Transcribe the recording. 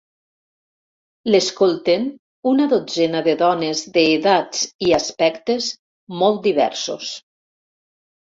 L'escolten una dotzena de dones d'edats i aspectes molt diversos.